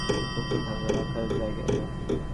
ওকে রাখার জায়গা এটা?